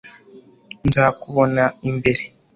nzakubona imbere